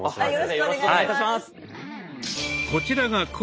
よろしくお願いします。